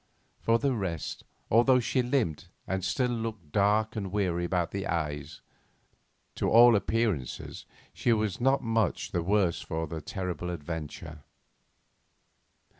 For the rest, although she limped and still looked dark and weary about the eyes, to all appearances she was not much the worse for their terrible adventure.